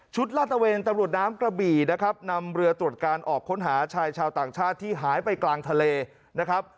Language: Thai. ลาดตะเวนตำรวจน้ำกระบี่นะครับนำเรือตรวจการออกค้นหาชายชาวต่างชาติที่หายไปกลางทะเลนะครับ